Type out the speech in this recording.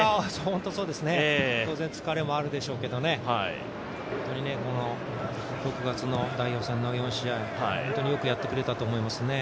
当然、疲れもあるでしょうけどね、６月の代表戦の４試合、本当によくやってくれたと思いますね。